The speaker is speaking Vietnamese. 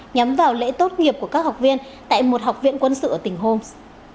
nhắm vào lễ tốt nghiệp của các học viên tại một học viện quân sự ở tỉnh homes